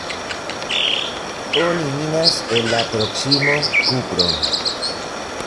Oni minas en la proksimo kupron.